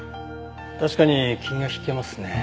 確かに気が引けますね。